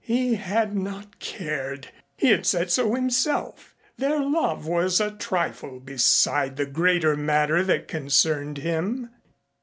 He had not cared. He had said so himself. Their love was a trifle beside the greater matter that concerned him.